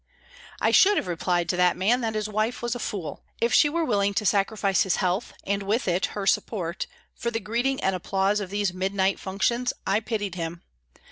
I should have replied to that man that his wife was a fool. If she were willing to sacrifice his health, and with it her support, for the greeting and applause of these midnight functions, I pitied him.